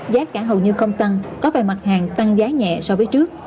giá cả hầu như không tăng có vài mặt hàng tăng giá nhẹ so với trước